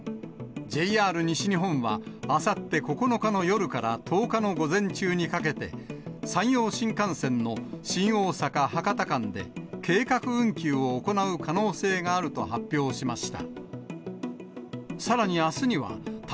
ＪＲ西日本はあさって９日の夜から１０日の午前中にかけて、山陽新幹線の新大阪・博多間で、計画運休を行う可能性があると発表しました。